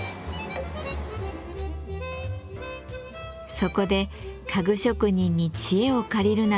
そこで家具職人に知恵を借りるなど試行錯誤。